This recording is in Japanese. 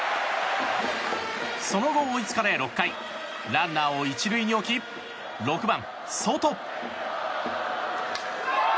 その後、追いつかれ、６回ランナーを１塁に置き６番、ソト。